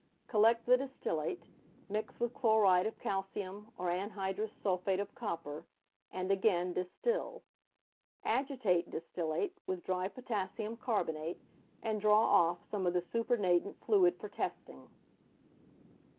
Collect the distillate, mix with chloride of calcium or anhydrous sulphate of copper, and again distil. Agitate distillate with dry potassium carbonate, and draw off some of the supernatant fluid for testing.